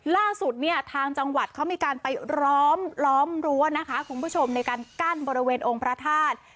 ล่าสุดเนี่ยทางจังหวัดเขามีการไปล้อมล้อมรั้วนะคะคุณผู้ชมในการกั้นบริเวณองค์พระธาตุ